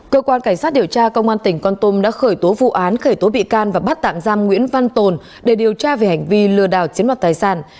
cơ quan cảnh sát điều tra công an tỉnh con tôm đã khởi tố vụ án khởi tố bị can và bắt tạm giam nguyễn văn tồn để điều tra về hành vi lừa đảo chiếm đoạt tài sản